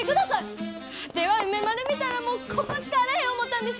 ワテは梅丸見たらもうここしかあらへん思たんです！